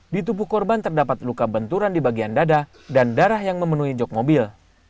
di tubuh korban terdapat luka benturan di bagian dada dan darah yang memenuhi jog mobil